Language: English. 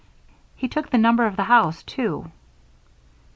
He took the number of the house, too."